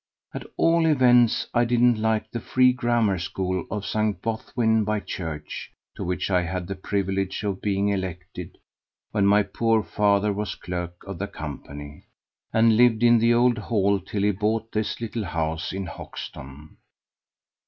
At all events I didn't like the Free Grammar School of St. Bothwyn By Church, to which I had the privilege of being elected when my poor father was clerk of the Company, and lived in the old hall till he bought this little house in Hoxton.